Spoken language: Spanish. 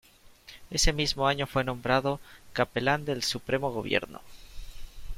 Ese mismo año fue nombrado Capellán del Supremo Gobierno.